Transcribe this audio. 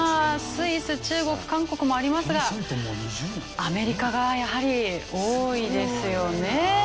スイス中国韓国もありますがアメリカがやはり多いですよね。